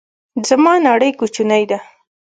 زما نړۍ کوچنۍ ده